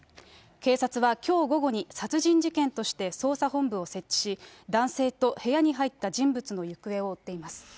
警察はきょう午後に殺人事件として捜査本部を設置し、男性と部屋に入った人物の行方を追っています。